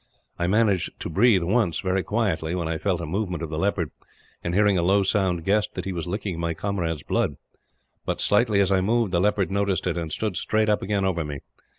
I managed to breathe once, very quietly, when I felt a movement of the leopard and, hearing a low sound, guessed that he was licking my comrade's blood; but slightly as I moved, the leopard noticed it, and stood straight up again over me.